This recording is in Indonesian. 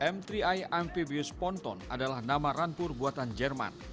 m tiga amphibius ponton adalah nama rampur buatan jerman